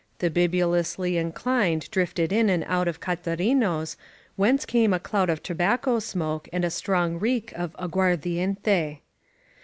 The bibulously inclined drifted in and out of Catarino's, whence came a cloud of tobacco smoke and a strong reek of aguardiente.